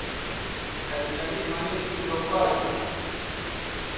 اجنبی مہ نِن تو لوکھا چوں